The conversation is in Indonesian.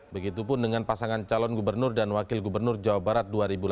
begitupun dengan pasangan calon gubernur dan wakil gubernur jawa barat dua ribu delapan belas